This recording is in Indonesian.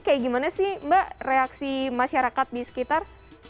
kayak gimana sih mbak reaksi masyarakat di sekitar